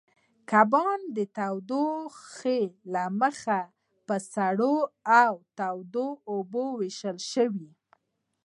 کبان د اوبو تودوخې له مخې په سړو او تودو اوبو وېشل شوي.